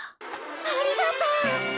ありがとう！